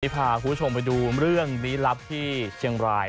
พาคุณผู้ชมไปดูเรื่องลี้ลับที่เชียงราย